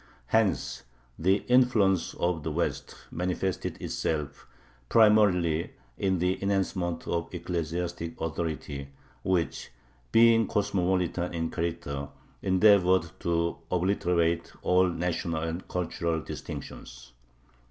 Hence the influence of the West manifested itself primarily in the enhancement of ecclesiastic authority, which, being cosmopolitan in character, endeavored to obliterate all national and cultural distinctions.